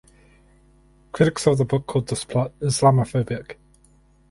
Critics of the book called this plot "Islamophobic".